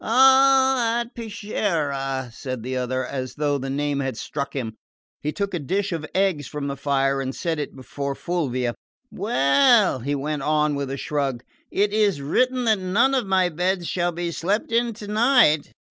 "Ah at Peschiera," said the other, as though the name had struck him. He took a dish of eggs from the fire and set it before Fulvia. "Well," he went on with a shrug, "it is written that none of my beds shall be slept in tonight.